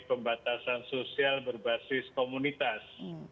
pembatasan sosial berbasis komunitas